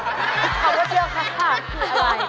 คำว่าเชื่อค่าคืออะไร